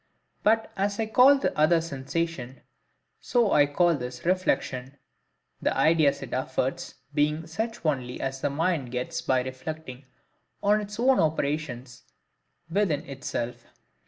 But as I call the other Sensation, so I call this REFLECTION, the ideas it affords being such only as the mind gets by reflecting on its own operations within itself.